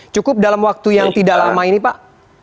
cukup dalam waktu yang tidak lama ini pak